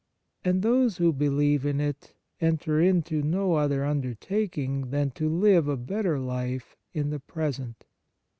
And those who believe in it enter into no other undertaking than to live a better life in the present.